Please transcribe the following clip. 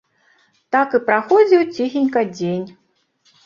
Так і праходзіў ціхенька дзень.